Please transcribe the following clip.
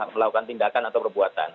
melakukan tindakan atau perbuatan